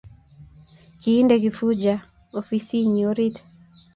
Kiinde Kifuja ofisinyi orit